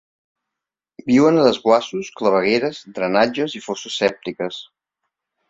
Viuen a desguassos, clavegueres, drenatges i fosses sèptiques.